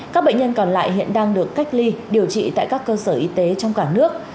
các bệnh nhân còn lại hiện đang được cách ly điều trị tại các cơ sở y tế trong cả nước